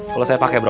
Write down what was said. kalau saya pakai bro